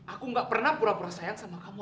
aku gak pernah pura pura sayang sama kamu